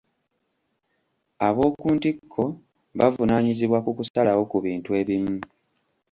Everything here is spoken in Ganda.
Ab'okuntikko bavunaanyizibwa ku kusalawo ku bintu ebimu.